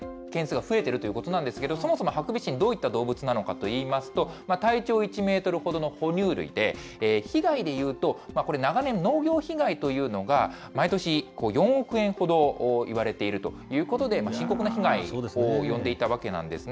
そういって目撃されている件数が増えているということなんですけど、そもそもハクビシン、どういった動物なのかといいますと、体長１メートルほどの哺乳類で、被害で言うと、これ、長年、農業被害というのは、毎年４億円ほどいわれているということで、深刻な被害を呼んでいたわけなんですね。